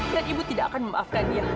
dan ibu tidak akan memaafkan dia